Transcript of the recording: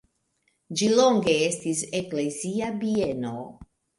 Ĝi longe estis eklezia bieno.